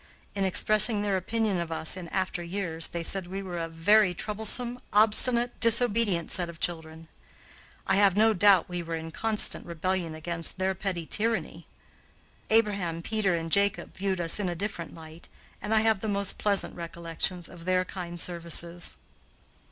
In expressing their opinion of us in after years, they said we were a very troublesome, obstinate, disobedient set of children. I have no doubt we were in constant rebellion against their petty tyranny. Abraham, Peter, and Jacob viewed us in a different light, and I have the most pleasant recollections of their kind services.